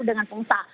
itu dengan pungsa